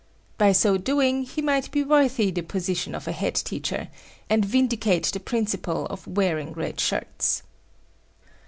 By so doing, he might be worthy the position of the head teacher, and vindicate the principle of wearing red shirts.